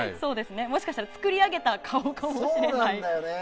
もしかしたら作り上げた顔かもしれない。